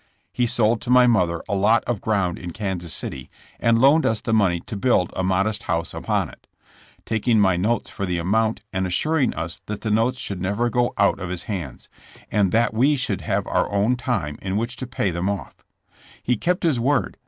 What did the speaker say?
He sold to my mother a lot of ground in Kansas City and loaned us the money to build a modest house upon it, taking my notes for the amount and assuring us that the notes should never go out of his hands, and that we should have our own time in which to pay them off. He kept his word.